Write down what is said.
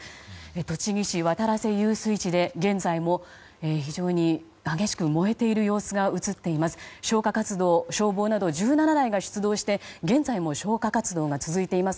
栃木市渡良瀬遊水地で現在も非常に激しく燃えている様子が映っています。